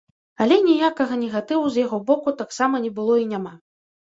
Але ніякага негатыву з яго боку таксама не было і няма.